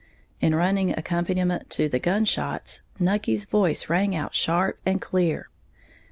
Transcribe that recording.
In running accompaniment to the gun shots, Nucky's voice rang out sharp and clear.